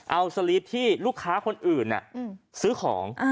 เอาสลิปที่ลูกค้าคนอื่นซื้อของ